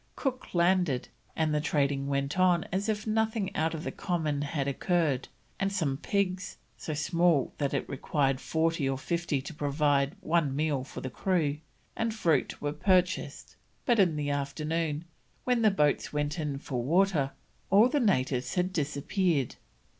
Cook landed, and the trading went on as if nothing out of the common had occurred, and some pigs (so small that it required forty or fifty to provide one meal for the crew!) and fruit were purchased; but in the afternoon, when the boats went in for water, all the natives had disappeared.